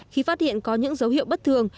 khi phát hiện có những dấu hiệu bất thường